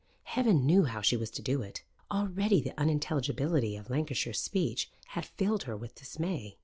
Heaven knew how she was to do it. Already the unintelligibility of Lancashire speech had filled her with dismay.